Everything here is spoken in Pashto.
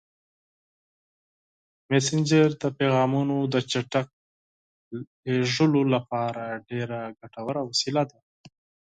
مسېنجر د پیغامونو د چټک لیږد لپاره ډېره ګټوره وسیله ده.